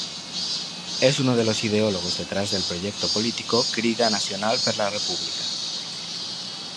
Es uno de los ideólogos detrás del proyecto político Crida Nacional per la República.